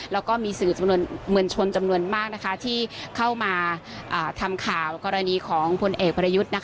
แล้วก็มีสื่อมวลชนจำนวนมากที่เข้ามาทำข่าวกรณีของพลเอกประยุทธ์